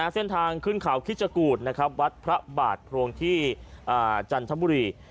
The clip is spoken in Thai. เส้นทางขึ้นเขาคิดจกูธวัดพระบาทโพรงที่จันทบุรี